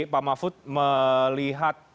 pak mafud melihat